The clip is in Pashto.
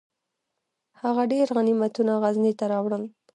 هغه ډیر غنیمتونه غزني ته راوړل.